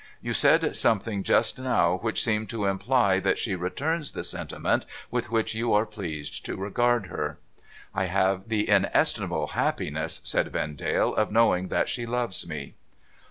You said something just now which seemed to imply that she returns the sentiment with which you are pleased to regard her ?'' I have the inestimable happiness,' said Vendale, ' of knowing that she loves me.'